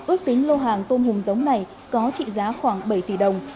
ước tính lô hàng tôm hùm giống này có trị giá khoảng bảy tỷ đồng